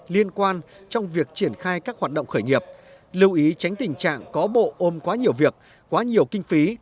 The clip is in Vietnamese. liên quan trong việc triển khai các hoạt động khởi nghiệp lưu ý tránh tình trạng có bộ ôm quá nhiều việc quá nhiều kinh phí